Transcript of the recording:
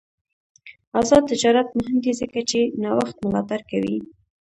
آزاد تجارت مهم دی ځکه چې نوښت ملاتړ کوي.